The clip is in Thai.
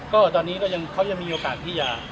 ก็ตอนนี้เขามีโอกาสที่ยา